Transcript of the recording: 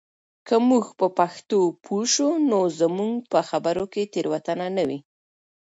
که موږ په پښتو پوه سو نو زموږ په خبرو کې تېروتنه نه وي.